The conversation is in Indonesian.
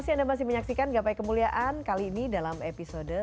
terima kasih anda masih menyaksikan gapai kemuliaan kali ini dalam episode